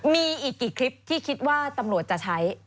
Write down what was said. มีอีกกี่คลิปที่คิดว่าตำรวจจะใช้